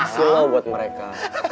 silau buat mereka